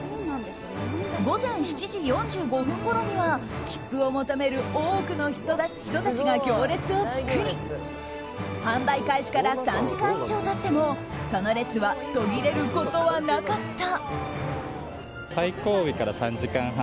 午前７時４５分ごろにはきっぷを求める多くの人たちが行列を作り販売開始から３時間以上経ってもその列は途切れることはなかった。